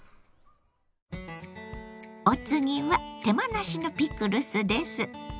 お次は手間なしのピクルスです。